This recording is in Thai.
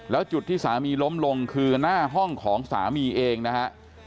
แล้วจุดที่สามีล้มลงคือหน้าห้องของสามีเองนะฮะ